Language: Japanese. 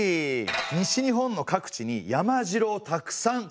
西日本の各地に山城をたくさんつくりました。